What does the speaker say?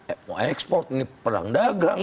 eh mau ekspor ini perang dagang